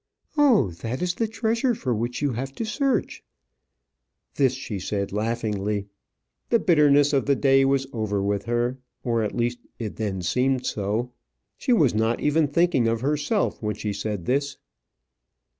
"Oh, that is the treasure for which you have to search" this she said laughingly. The bitterness of the day was over with her; or at least it then seemed so. She was not even thinking of herself when she said this.